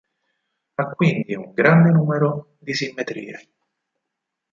Ha quindi un grande numero di simmetrie.